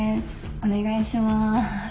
お願いします。